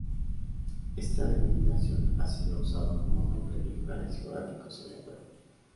Esta denominación ha sido usado como nombre de lugares geográficos en el Perú.